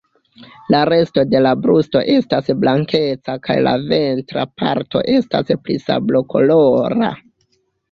La resto de la brusto estas blankeca kaj la ventra parto estas pli sablokolora.